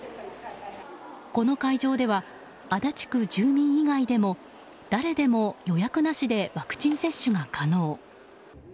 この会場では足立区住民以外でも誰でも予約なしでワクチン接種が可能。